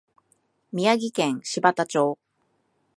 宮城県柴田町